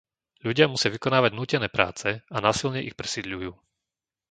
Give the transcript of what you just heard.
Ľudia musia vykonávať nútené práce a násilne ich presídľujú.